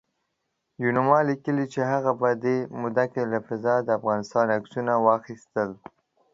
یوناما لیکلي چې هغه په دې موده کې له فضا د افغانستان عکسونه واخیستل